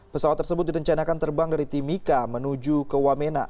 pesawat tersebut direncanakan terbang dari timika menuju ke wamena